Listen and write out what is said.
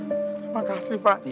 terima kasih pak